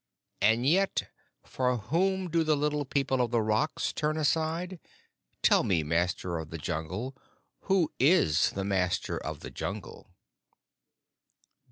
And yet for whom do the Little People of the Rocks turn aside? Tell me, Master of the Jungle, who is the Master of the Jungle?"